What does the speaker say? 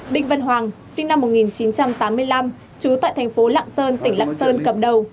đinh văn hoàng sinh năm một nghìn chín trăm tám mươi năm trú tại thành phố lạng sơn tỉnh lạng sơn cầm đầu